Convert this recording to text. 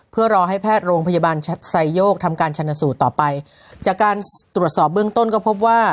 เพื่อรอให้แพทย์โรงพยาบาลชัดไซโยกทำการชนสูตรต่อไปจากการตรวจสอบเบื้องต้นก็พบว่า